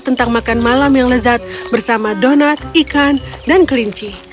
tentang makan malam yang lezat bersama donat ikan dan kelinci